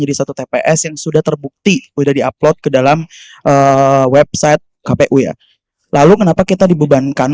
jadi satu tps yang sudah terbukti udah di upload ke dalam website kpu ya lalu kenapa kita dibutuhkan